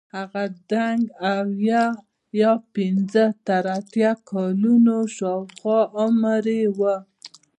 هغه دنګ او اویا پنځه تر اتیا کلونو شاوخوا عمر یې وو.